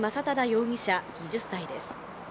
容疑者２０歳です。